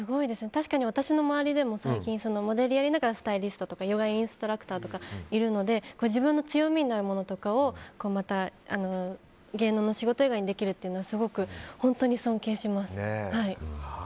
確かに私の周りでもモデルをやりながらスタイリストとかヨガインストラクターがいるので自分の強みになるものを芸能の仕事以外にできるというのはすごく本当に尊敬します。